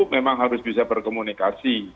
memang harus bisa berkomunikasi